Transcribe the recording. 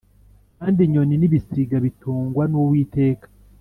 kandi inyoni n ibisiga bitungwa n\uwiteka